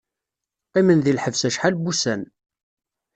Qqimen di lḥebs acḥal n wussan.